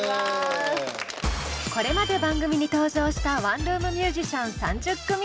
これまで番組に登場したワンルームミュージシャン３０組以上。